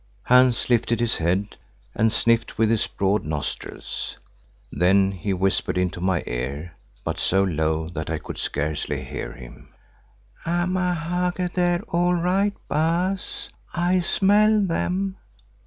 Hans lifted his head and sniffed with his broad nostrils; then he whispered into my ear, but so low that I could scarcely hear him. "Amahagger there all right, Baas, I smell them."